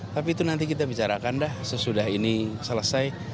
tapi itu nanti kita bicarakan dah sesudah ini selesai